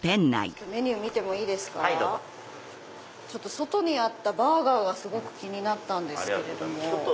外にあったバーガーがすごく気になったんですけれども。